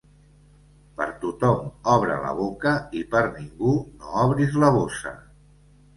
Per tothom obre la boca i per ningú no obris la bossa.